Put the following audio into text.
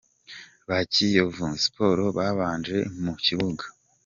ba Kiyovu Sport babanje mu kibuga.